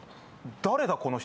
誰だ、この人。